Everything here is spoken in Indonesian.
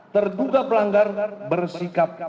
terduga pelanggar bersikap